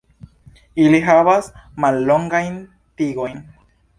Ili havas mallongajn tigojn.